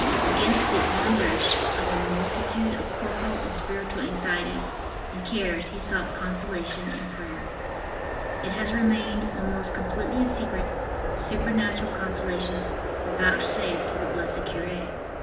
Against the onrush of a multitude of corporal and spiritual anxieties and cares he sought consolation in prayer. It has remained almost completely a secret what supernatural consolations were vouchsafed to the blessed cure.